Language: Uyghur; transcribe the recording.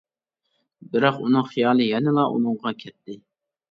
بىراق ئۇنىڭ خىيالى يەنىلا ئۇنىڭغا كەتتى.